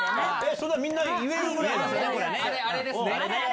それはみんな、言えるぐらいあれですね。